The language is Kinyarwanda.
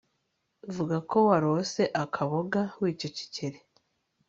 vuga ko warose akaboga wicecekere